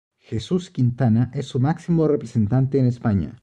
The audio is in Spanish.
Jesús Quintana es su máximo representante en España.